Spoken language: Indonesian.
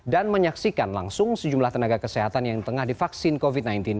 dan menyaksikan langsung sejumlah tenaga kesehatan yang tengah divaksin covid sembilan belas